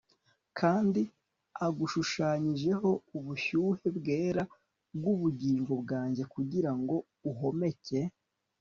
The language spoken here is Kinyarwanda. Kandi agushushanyijeho ubushyuhe bwera bwubugingo bwanjye kugirango uhomeke